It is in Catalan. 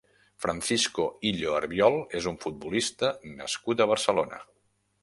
Francisco Illo Arbiol és un futbolista nascut a Barcelona.